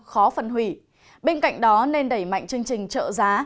khó phân hủy bên cạnh đó nên đẩy mạnh chương trình trợ giá